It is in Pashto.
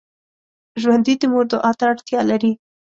ژوندي د مور دعا ته اړتیا لري